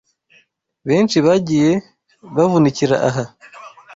benshi bagiye bavunikira aha